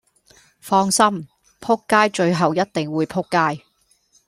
放心！仆街最後一定會仆街